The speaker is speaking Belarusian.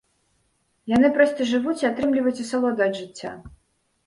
Яны проста жывуць і атрымліваюць асалоду ад жыцця.